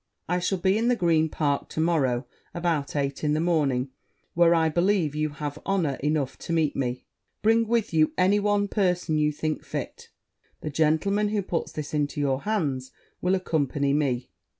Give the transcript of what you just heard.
I shall be in the Green Park to morrow about eight in the morning, where I believe you have honour enough to meet me: bring with you any one person you think fit; the gentleman who puts this into your hands will accompany me.